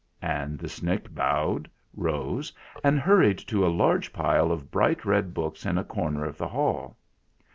And the Snick bowed, rose, and hurried to a large pile of bright red books in a corner of the hall.